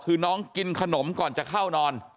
คือน้องกินขนมก่อนจะเข้านอน